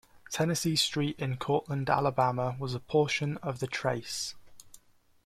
Tennessee Street in Courtland, Alabama, was a portion of the trace.